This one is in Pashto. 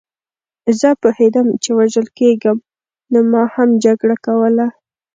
زه پوهېدم چې وژل کېږم نو ما هم جګړه کوله